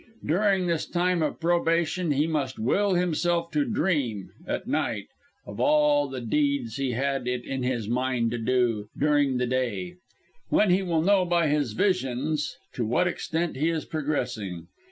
During this time of probation he must will himself to dream, at night, of all the deeds he had it in his mind to do, during the day; when he will know, by his visions, to what extent he is progressing.